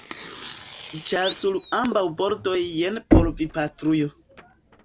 Ĉar sur ambaŭ bordoj jen por vi patrujo.